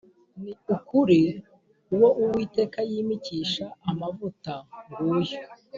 Ni ukuri uwo uwiteka yimikisha amavuta nguyu